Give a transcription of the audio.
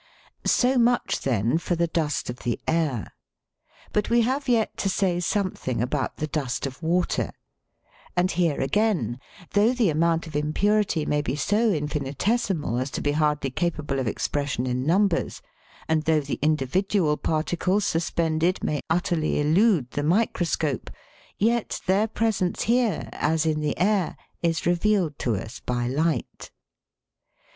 22 THE WORLD'S LUMBER ROOM. So much, then, for the dust of the air ; but we have yet to say something about the dust of water ; and here again, though the amount of impurity may be so infinitesimal as to be hardly capable of expression in numbers, and though the individual particles suspended may utterly elude the microscope, yet their presence here, as in the air. is re vealed to us by light.